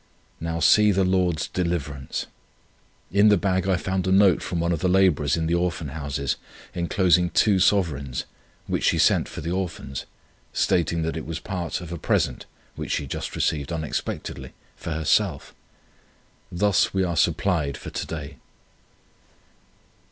Now see the Lord's deliverance! In the bag I found a note from one of the labourers in the Orphan Houses, enclosing two sovereigns, which she sent for the Orphans, stating that it was part of a present which she had just received unexpectedly, for herself. Thus we are supplied for to day.